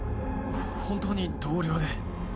本当に同僚で。